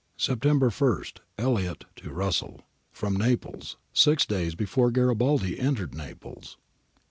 ] September i. Elliot to Russell. From Naples. [Six days before Garibaldi entered Naples.